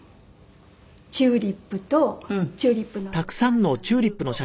チューリップとチューリップのプランターを。